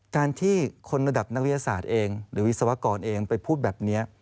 การที่คนระดับนักวิทยาศาสตร์เองหรือวิศวกรเองไปพูดแบบนี้